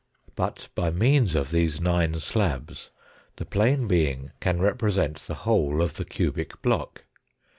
But by means of these nine slabs the plane being can represent the whole of the cubic block.